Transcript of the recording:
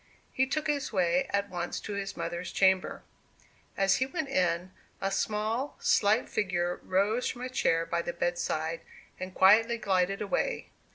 He took his way at once to his mother's chamber. As he went in, a small, slight figure rose from a chair by the bedside, and quietly glided away.